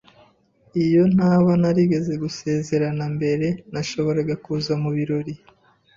Iyo ntaba narigeze gusezerana mbere, nashoboraga kuza mubirori.